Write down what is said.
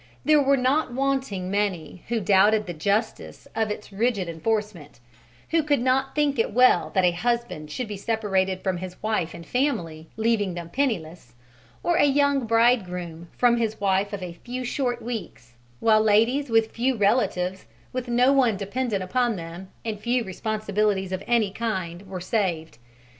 There were not wanting many who doubted the justice of its rigid enforcement, who could not think it well that a husband should be separated from his wife and family, leaving them penniless, or a young bridegroom from his wife of a few short weeks, while ladies with few relatives, with no one dependent upon them, and few responsibilities of any kind, were saved.